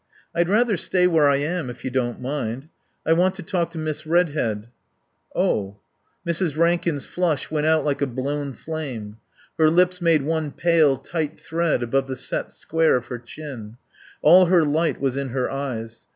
"I'd rather stay where I am if you don't mind. I want to talk to Miss Redhead." "Oh " Mrs. Rankin's flush went out like a blown flame. Her lips made one pale, tight thread above the set square of her chin. All her light was in her eyes.